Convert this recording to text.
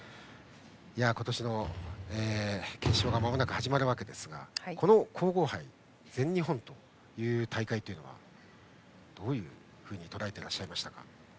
今年の決勝がまもなく始まるわけですがこの皇后杯全日本という大会というのはどういうふうにとらえていらっしゃいましたか？